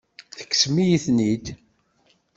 Tekksem-iyi-ten-id.